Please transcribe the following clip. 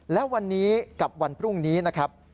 และวันนี้กับวันพรุ่งนี้นะครับ